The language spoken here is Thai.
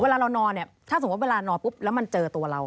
เวลาเรานอนเนี่ยถ้าสมมุติเวลานอนปุ๊บแล้วมันเจอตัวเรา